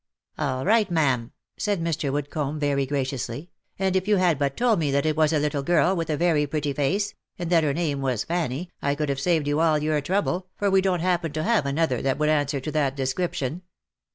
" All right, ma'am," said Mr. Woodcomb, very graciously, " and if you had but told me that it was a little girl, with a very pretty face, and that her name was Fanny, I could have saved you all your trouble, for we don't happen to have another that would answer to that description."